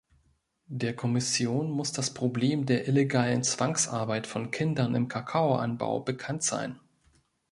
Der Kommission muss das Problem der illegalen Zwangsarbeit von Kindern im Kakaoanbau bekannt sein.